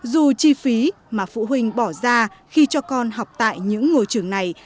dù chi phí mà phụ huynh bỏ ra khi cho con học tại những ngôi trường này